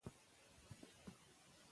خير کمزورې او پیاوړي ته یو شان علم ورکوي.